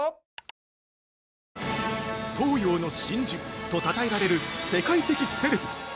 ◆東洋の真珠とたたえられる世界的セレブ。